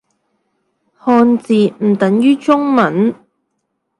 漢字唔等於中文